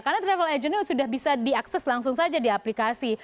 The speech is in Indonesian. karena travel agentnya sudah bisa diakses langsung saja di aplikasi